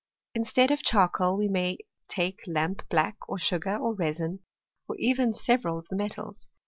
Instead of charcoal we may take lamp black, or sugar, or r^sin, or even several of the metals.